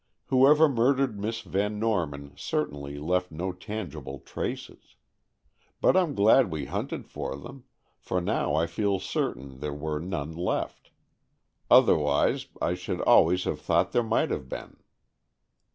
Whoever murdered Miss Van Norman certainly left no tangible traces. But I'm glad we hunted for them, for now I feel certain there were none left; otherwise, I should always have thought there might have been."